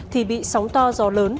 thì bị sóng to gió lớn